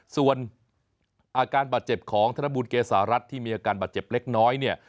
ส่วนอาการบาดเจ็บของธนบุญเกษารัฐที่มีอาการบาดเจ็บเล็กน้อยเนี่ย